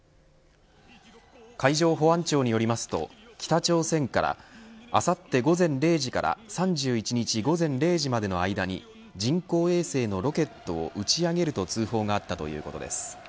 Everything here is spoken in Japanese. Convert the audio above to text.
海上保安庁によりますと北朝鮮からあさって午前０時から３１日午前０時までの間に人工衛星のロケットを打ち上げると通報があったということです。